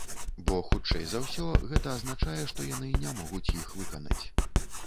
Бо, хутчэй за ўсё, гэта азначае, што яны не могуць іх выканаць.